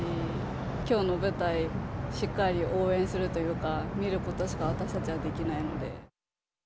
きょうの舞台、しっかり応援するというか、見ることしか私たちはできないので。